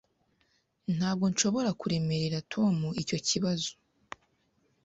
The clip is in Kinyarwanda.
Ntabwo nshobora kuremerera Tom icyo kibazo.